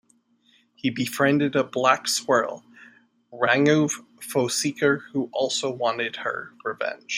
He befriended a black squirrel, Ranguvar Foeseeker, who also wanted her revenge.